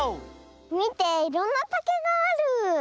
みていろんなたけがある。